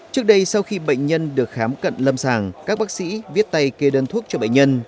trước đây sau khi bệnh nhân được khám cận lâm sàng các bác sĩ viết tay kê đơn thuốc cho bệnh nhân